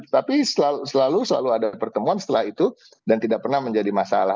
tapi selalu selalu ada pertemuan setelah itu dan tidak pernah menjadi masalah